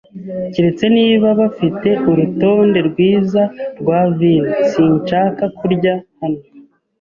Keretse niba bafite urutonde rwiza rwa vino, sinshaka kurya hano.